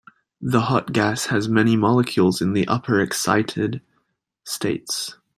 The hot gas has many molecules in the upper excited states.